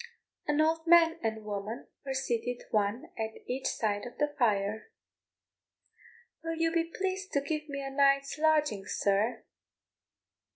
An old man and woman were seated one at each side of the fire. "Will you be pleased to give me a night's lodging, sir?"